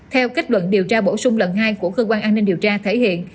theo kết luận điều tra bổ sung lần hai của cơ quan an ninh điều tra thể hiện